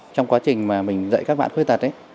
trong quá trình mà mình dạy các bạn khuyết tật ấy